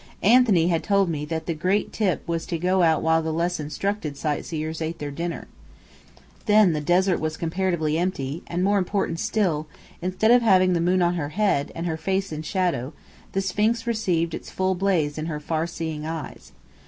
Anthony had told me that the great "tip" was to go out while the less instructed sightseers ate their dinner. Then, the desert was comparatively empty; and, more important still, instead of having the moon on her head, and her face in shadow, the Sphinx received its full blaze in her farseeing eyes.